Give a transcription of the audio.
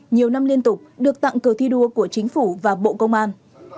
nhiều năm liên tục được tặng cờ thi đua của chính phủ và bộ công an